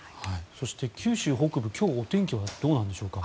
そして九州北部の今日のお天気はどうなんでしょうか。